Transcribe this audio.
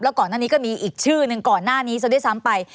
ก่อนหน้านี้ก็มีอีกชื่อหนึ่งก่อนหน้านี้ซะด้วยซ้ำไป